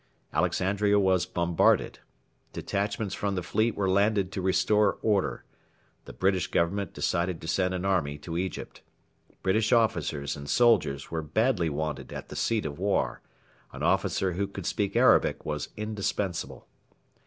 Alexandria was bombarded. Detachments from the fleet were landed to restore order. The British Government decided to send an army to Egypt. British officers and soldiers were badly wanted at the seat of war; an officer who could speak Arabic was indispensable.